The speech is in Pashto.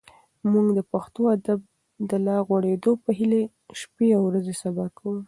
موږ د پښتو ادب د لا غوړېدو په هیله شپې او ورځې سبا کوو.